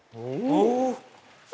お。